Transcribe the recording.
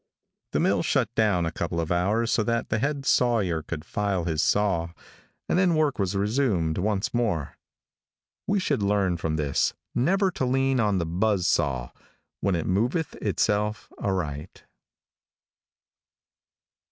The mill shut down a couple of hours so that the head sawyer could file his saw, and then work was resumed once more. We should learn from this never to lean on the buzz saw when it moveth itself aright.